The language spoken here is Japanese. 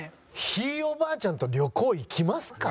ひいおばあちゃんと旅行行きますか？